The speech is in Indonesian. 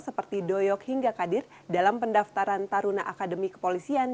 seperti doyok hingga kadir dalam pendaftaran taruna akademi kepolisian